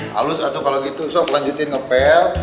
halus atau kalau gitu sok lanjutin ngepel